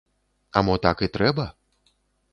А мо так і трэба?